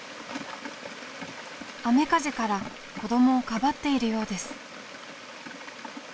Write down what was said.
雨風から子供をかばっているようです